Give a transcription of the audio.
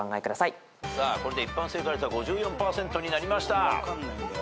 さあこれで一般正解率は５４％になりました。